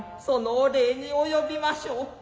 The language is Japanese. その御礼におよびましょう。